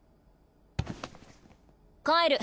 帰る。